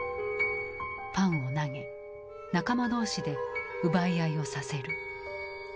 パンを投げ仲間同士で奪い合いをさせる。